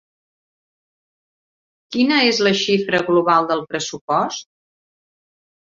Quina és la xifra global del pressupost?